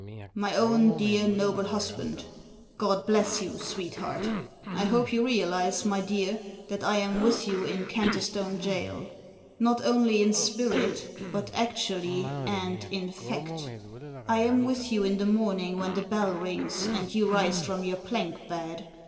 "* My Own, Dear, Noble Husband, "* God bless you, sweetheart ! I hope you realise, my dear, that I am with you in Canterstone JaiL Not only in spirit, but actually, and in fact I am with you in the morning when the bell rings, and you rise from your plank bed.